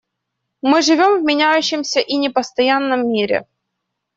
Мы живем в меняющемся и непостоянном мире.